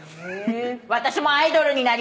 私もアイドルになりたい。